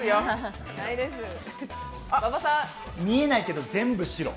見えないけど全部白。